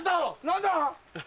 何だ？